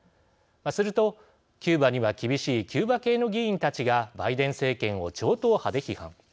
すると、キューバには厳しいキューバ系の議員たちがバイデン政権を超党派で批判。